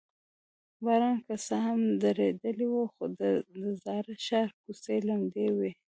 باران که څه هم درېدلی و، خو د زاړه ښار کوڅې لمدې وې.